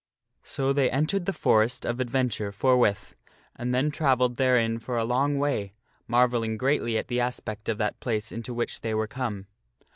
So they entered the Forest of Adventure forthwith, and then travelled therein for a long way, marvelling greatly at the aspect of that place into which they were come.